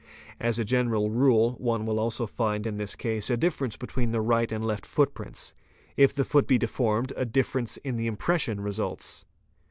As a general rule one will also find in this case a difference between the right and left footprints. If the foot be deformed, a difference in the impressions results.